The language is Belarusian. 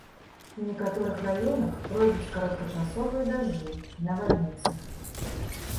У некаторых раёнах пройдуць кароткачасовыя дажджы і навальніцы.